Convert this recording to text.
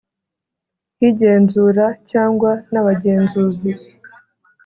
Y igenzura cyangwa n abagenzuzi